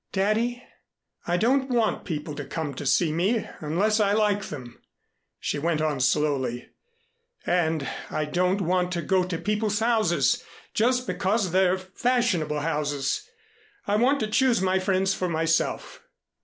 "Daddy, I don't want people to come to see me, unless I like them," she went on slowly, "and I don't want to go to peoples' houses just because they're fashionable houses. I want to choose my friends for myself."